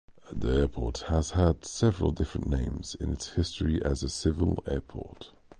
The airport has had several different names in its history as a civil airport.